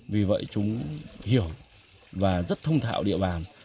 vì vậy chúng hiểu và rất thông thạo địa bàn